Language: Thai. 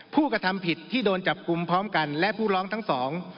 ผู้กระทำผิดที่โดนจับกลุ่มพร้อมกันและผู้ร้องทั้งสอง